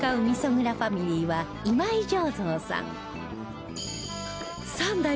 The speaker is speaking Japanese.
蔵ファミリーは今井醸造さん